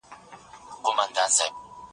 فلورایډ د غاښونو مینا پیاوړې کوي.